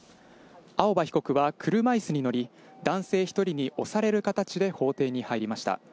青葉被告は車いすに乗り、男性１人に押される形で法廷に入りました。